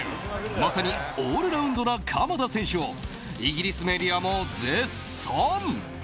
まさにオールラウンドな鎌田選手をイギリスメディアも絶賛。